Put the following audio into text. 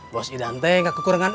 bos idan teh gak kekurangan uang